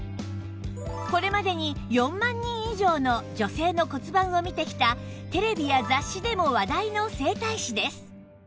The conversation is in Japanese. これまでに４万人以上の女性の骨盤を見てきたテレビや雑誌でも話題の整体師です